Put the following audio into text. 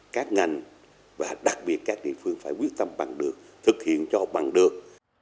các ngành và đặc biệt các địa phương phải quyết tâm bằng được thực hiện cho bằng được